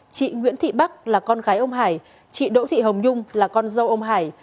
chị nguyễn thị bắc là con gái ông hải chị đỗ thị hồng nhung là con dâu ông hải